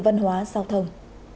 văn hóa giao thông